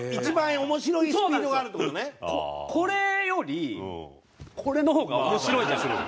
これよりこれの方が面白いじゃないですか。